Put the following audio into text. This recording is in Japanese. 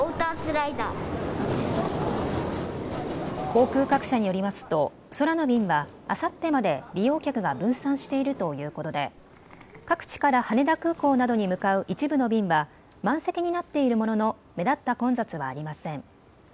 航空各社によりますと空の便はあさってまで利用客が分散しているということで各地から羽田空港などに向かう一部の便は満席になっているものの目立った混雑はありません。